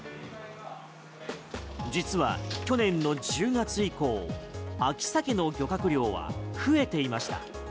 実は去年の１０月以降秋サケの漁獲量は増えていました。